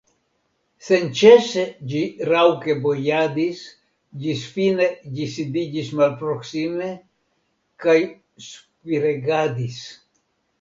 Senĉese ĝi raŭke bojadis, ĝis fine ĝi sidiĝis malproksime, kaj spiregadis.